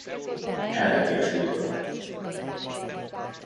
Elveti a sulykot.